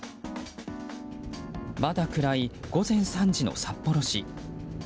まだ暗い、午前３時の札幌市。